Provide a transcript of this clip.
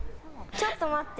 ちょっと待って。